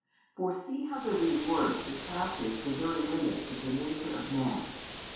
For see how the reward surpasses the very limits of the nature of man.